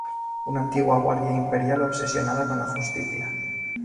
Una antigua Guardia Imperial obsesionada con la justicia.